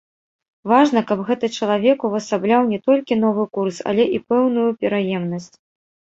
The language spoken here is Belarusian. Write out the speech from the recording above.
Важна, каб гэты чалавек увасабляў не толькі новы курс, але і пэўную пераемнасць.